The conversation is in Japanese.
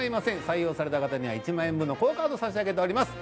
採用された方には１万円分のＱＵＯカード差し上げております